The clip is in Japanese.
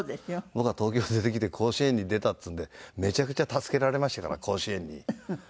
僕は東京出てきて甲子園に出たっつうんでめちゃくちゃ助けられましたから甲子園に。